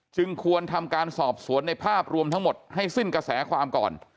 ควรทำการสอบสวนในภาพรวมทั้งหมดให้สิ้นกระแสความก่อน